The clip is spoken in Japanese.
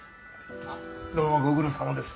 どうもご苦労さまです。